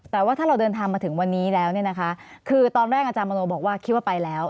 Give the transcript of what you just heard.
แต่ว่าถ้าเราเดินทางมาถึงวันนี้แล้วเนี่ยนะคะคือตอนแรกอาจารย์มโนบอกว่าคิดว่าไปแล้ว